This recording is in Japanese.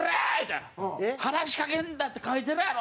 「“話しかけるな”って書いてるやろ」